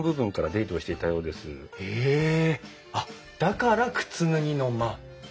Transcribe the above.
あっだから靴脱ぎの間。